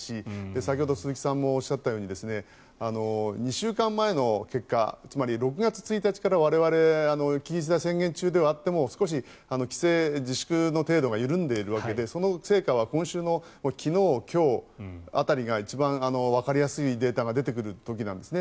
先ほど鈴木さんもおっしゃったように２週間前の結果つまり、６月１日から我々緊急事態宣言中ではあっても少し規制、自粛の程度が緩んでいるわけで、その成果は今週の昨日今日辺りが一番わかりやすいデータが出てくる時なんですね。